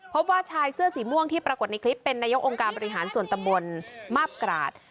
พบว่าชายเสื้อสีม่วงที่ปรากฏในคลิปเป็นนายกองค์การบริหารส่วนตำบลมาบกราศ